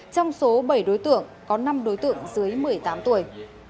trong số bảy đối tượng có năm đối tượng dưới một mươi tám tuổi